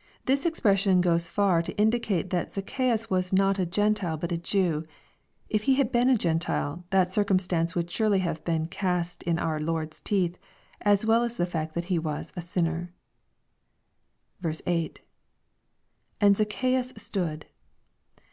'] This expression goes far to indicate . that ZacchsQus was not a jSentile but a Jew. If he had been a / Gentile, that circumstance would surely have been cast in our Lord's teeth, as well as the fact that he was " a sinner." B. — [And ZacchceiLs stood.